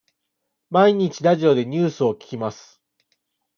毎日ラジオでニュースを聞きます。